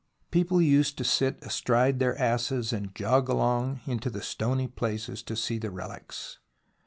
People used to sit astride their asses and jog along into the stony places to see the relics.